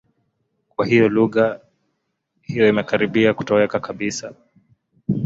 Kwa hiyo, lugha hiyo imekaribia kutoweka kabisa.